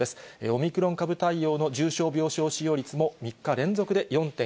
オミクロン株対応の重症病床使用率も、３日連続で４．１％